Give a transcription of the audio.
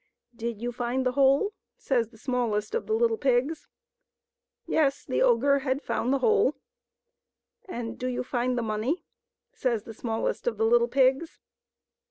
" Do you find the hole ?" says the smallest of the little pigs. Yes ; the ogre had found the hole. "And do you find the money?" says the smallest of the little pigs.